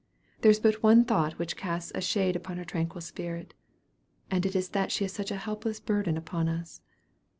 There is but one thought which casts a shade upon that tranquil spirit, and it is that she is such a helpless burden upon us.